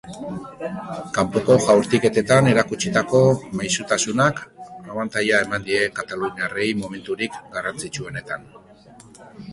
Kanpoko jaurtiketetan erakutsitako maisutasunak abantaila eman die kataluniarrei momenturik garrantzitsuenetan.